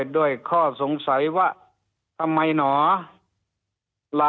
ด้วยข้อสงสัยว่าทำไมหนอ